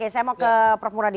saya mau ke prof muradi